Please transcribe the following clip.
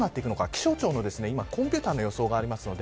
気象庁のコンピューターの予想があります。